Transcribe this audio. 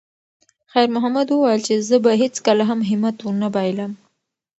خیر محمد وویل چې زه به هیڅکله هم همت ونه بایللم.